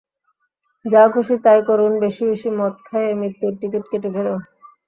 যা-খুসি তাই করুন বেশি-বেশি মদ খায়ে মৃত্যুর টিকিট কেটে ফেলুন।